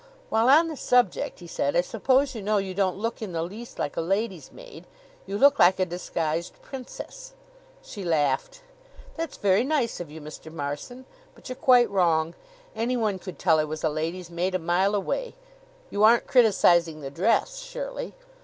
"While on the subject," he said, "I suppose you know you don't look in the least like a lady's maid? You look like a disguised princess." She laughed. "That's very nice of you, Mr. Marson, but you're quite wrong. Anyone could tell I was a lady's maid, a mile away. You aren't criticizing the dress, surely?"